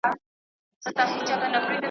د پردي زوی څخه خپله لور ښه ده .